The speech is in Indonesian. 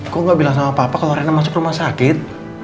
kok nggak bilang sama papa kalau rena masuk rumah sakit